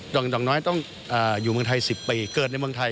ดอกน้อยต้องอยู่เมืองไทย๑๐ปีเกิดในเมืองไทย